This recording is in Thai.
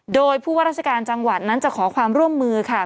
โดยผู้ว่าราชการจังหวัดนั้นจะขอความร่วมมือค่ะ